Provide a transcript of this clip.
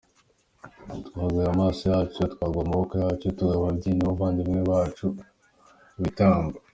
Twaguhaye amaraso yacu, tuguha amaboko yacu, tuguha ababyeyi n’abavandimwe bacu ho ibitambo!